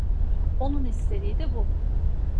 Onun istediği de bu.